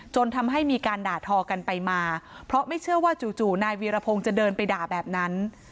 ทำให้มีการด่าทอกันไปมาเพราะไม่เชื่อว่าจู่นายวีรพงศ์จะเดินไปด่าแบบนั้น